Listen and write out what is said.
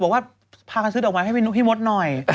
พาการซื้อดอกไว้ให้พี่มดหน่อย